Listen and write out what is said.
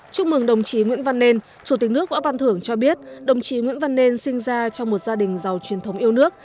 chúc mừng đồng chí nguyễn văn nên chủ tịch nước võ văn thưởng cho biết đồng chí nguyễn văn nên sinh ra trong một gia đình giàu truyền thống yêu nước